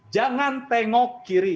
jangan tengok kiri